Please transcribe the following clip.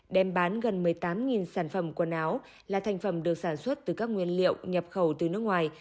đem bán gần một mươi tám sản phẩm quần áo là thành phẩm được sản xuất từ các nguyên liệu nhập khẩu từ nước ngoài